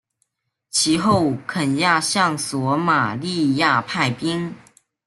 其后肯亚向索马利亚派兵。